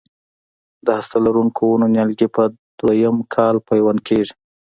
د هسته لرونکو ونو نیالګي په دوه یم کال پیوند کېږي.